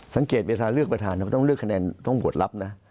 เวลาเลือกประธานมันต้องเลือกคะแนนต้องโหวตลับนะ